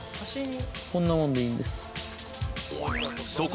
こんなもんでいいんです